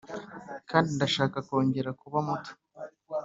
kandi ndashaka kongera kuba muto.